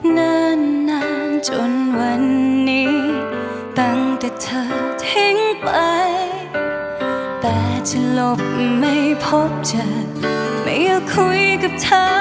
นานนานจนวันนี้ตั้งแต่เธอทิ้งไปแต่จะหลบไม่พบเธอไม่อยากคุยกับเธอ